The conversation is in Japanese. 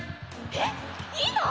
えっいいの！？